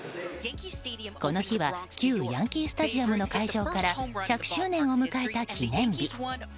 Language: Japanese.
この日は旧ヤンキースタジアムの開場から１００周年を迎えた記念日。